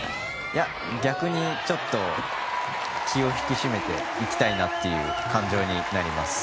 いや、逆にちょっと気を引き締めていきたいなという感情になります。